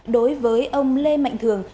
đối với ông lê mạnh thường